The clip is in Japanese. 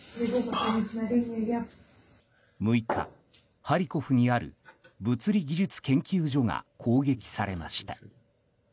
６日、ハリコフにある物理技術研究所が攻撃されました。